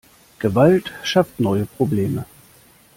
Gewalt schafft neue Probleme.